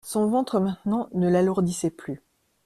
Son ventre maintenant ne l'alourdissait plus.